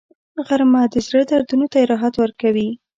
غرمه د زړه دردونو ته راحت ورکوي